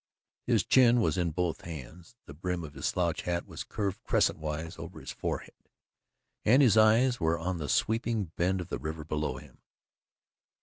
His chin was in both hands, the brim of his slouch hat was curved crescent wise over his forehead, and his eyes were on the sweeping bend of the river below him.